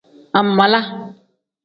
Angmaala.